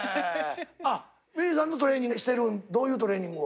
あｍｉｌｅｔさんもトレーニングしてるどういうトレーニングを？